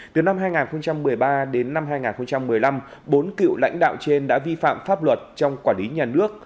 từ năm hai nghìn một mươi ba đến năm hai nghìn một mươi năm bốn cựu lãnh đạo trên đã vi phạm pháp luật trong quản lý nhà nước